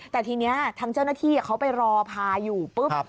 แต่ทีนี้ทางเจ้าหน้าที่เขาไปรอพาอยู่ปุ๊บ